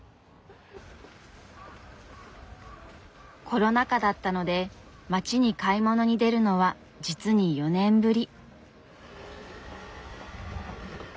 コロナ禍だったので街に買い物に出るのは実に４年ぶり。